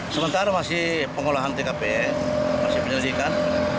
sementara masih pengolahan tkp masih penyelidikan